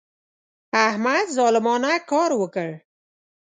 احمد ظالمانه کار وکړ.